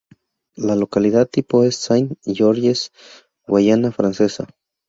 La localidad tipo es: Saint-Georges, Guayana Francesa.